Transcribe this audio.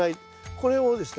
これをですね